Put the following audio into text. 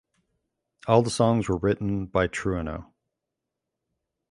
All the songs were written by Trueno.